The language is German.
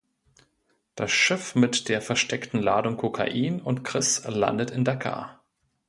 Das Schiff mit der versteckten Ladung Kokain und Chris landet in Dakar.